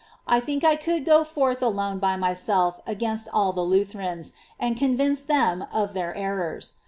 I think I could go forth alone by myself against all the Lutherans, and convince them of their errors.